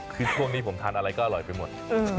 คือช่วงนี้ผมทานอะไรก็อร่อยไปหมด